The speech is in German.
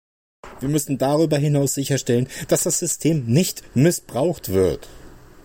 Wir müssen darüber hinaus sicherstellen, dass das System nicht missbraucht wird.